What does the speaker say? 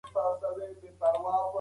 د زېږون وروسته حالت ښه کېږي.